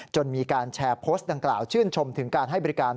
มีการแชร์โพสต์ดังกล่าวชื่นชมถึงการให้บริการ